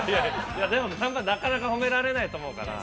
でも、なかなか褒められないと思うから。